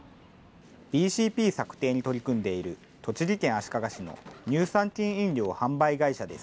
ＢＣＰ策定に取り組んでいる栃木県足利市の乳酸菌飲料販売会社です。